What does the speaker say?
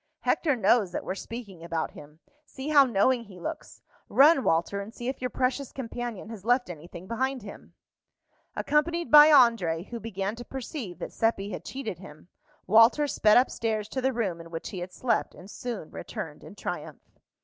"Hector knows that we're speaking about him. See how knowing he looks! Run, Walter, and see if your precious companion has left anything behind him." Accompanied by André, who began to perceive that Seppi had cheated him, Walter sped up stairs to the room in which he had slept, and soon returned in triumph.